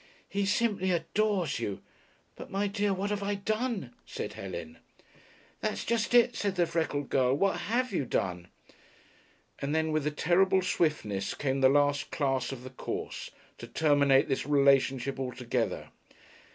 "He simply adores you." "But, my dear, what have I done?" said Helen. "That's just it," said the freckled girl. "What have you done?" And then with a terrible swiftness came the last class of the course, to terminate this relationship altogether.